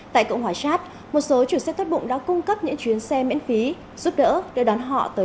tại cộng hòa sát một số chủ xếp thất bụng đã cung cấp những chuyến xe miễn phí giúp đỡ để đón họ